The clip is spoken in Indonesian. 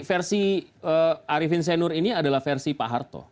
versi arief insainur ini adalah versi pak harto